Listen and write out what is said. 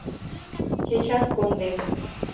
Чечас кондем.